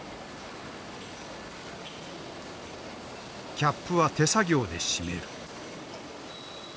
キャップは手作業でしめる。